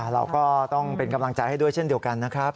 เราก็ต้องเป็นกำลังใจให้ด้วยเช่นเดียวกันนะครับ